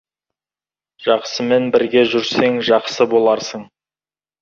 Жақсымен бірге жүрсең, жақсы боларсың.